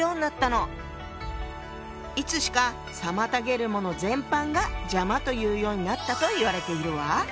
いつしか妨げるもの全般が「邪魔」というようになったといわれているわ。